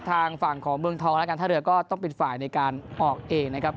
ทางฝั่งของเมืองทองและการท่าเรือก็ต้องปิดฝ่ายในการออกเองนะครับ